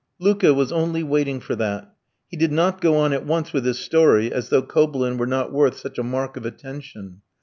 Luka was only waiting for that. He did not go on at once with his story, as though Kobylin were not worth such a mark of attention.